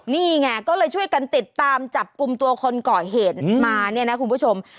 นี่ไงก็เลยช่วยกันติดตามจับกลุ่มตัวคนก่อเหตุมาเนี่ยนะคุณผู้ชม